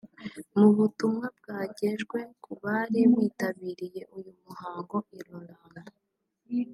Mu butumwa byagejwe ku bari bitabiriye uyu muhango i Orlando